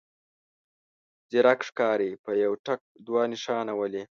ځيرک ښکاري په يوه ټک دوه نښانه ولي.